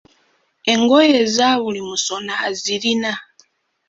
Engoye ezabuli musono azirina.